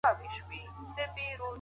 چي یې ستا له زخمه درد و احساس راکړ